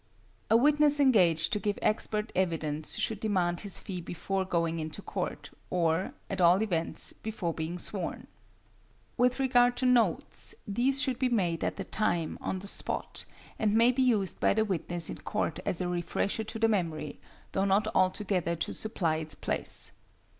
A witness engaged to give expert evidence should demand his fee before going into court, or, at all events, before being sworn. With regard to notes, these should be made at the time, on the spot, and may be used by the witness in court as a refresher to the memory, though not altogether to supply its place.